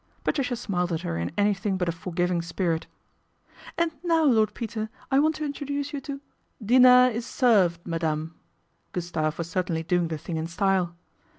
Patricia smiled at her in anything but a for giving spirit. " And now, Lord Peter, I want to introduce you j. *" Deenair is served, madame." Gustave was certainly doing the thing in style.